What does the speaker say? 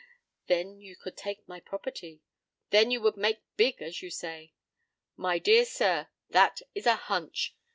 Then you could take my property. Then you would "make big," as you say. My dear sir, that is a "hunch!"